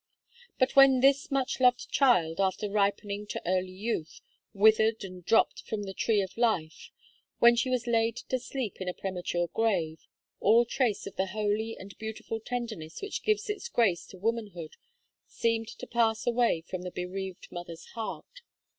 But when this much loved child, after ripening to early youth, withered and dropped from the tree of life; when she was laid to sleep in a premature grave, all trace of the holy and beautiful tenderness which gives its grace to womanhood, seemed to pass away from the bereaved mother's heart.